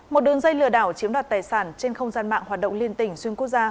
một đường dây lừa đảo chiếm đoạt tài sản trên không gian mạng hoạt động liên tỉnh xuyên quốc gia